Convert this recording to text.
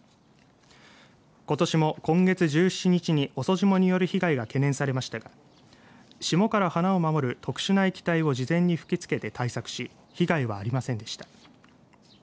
ことしも今月１７日に遅霜による被害が懸念されましたが霜から花を守る特殊な液体を事前に吹きつけて対策し被害はありませんでした。